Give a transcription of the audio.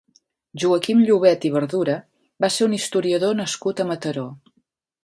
Joaquim Llovet i Verdura va ser un historiador nascut a Mataró.